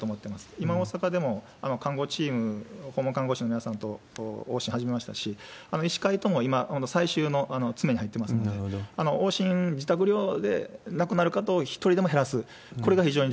今、大阪でも看護チーム、訪問看護師の皆さんと往診始めましたし、医師会とも今、最終の詰めに入ってますので、往診、自宅療養で亡くなる方を一人でも減らす、なるほど。